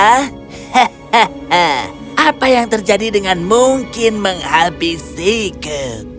hahaha apa yang terjadi dengan mungkin menghabisiku